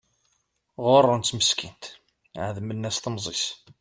Ɣuṛṛen-tt meskint ɛedmen-as temẓi-s.